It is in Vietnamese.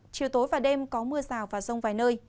chiều tối và đêm có mưa rào và rông vài nơi